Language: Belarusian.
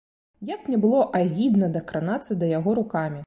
Як мне было агідна дакранацца да яго рукамі.